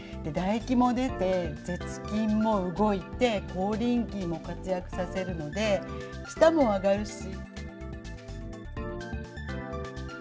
唾液も出て、舌筋も動いて、口輪筋も活躍させるので、舌も上がるし。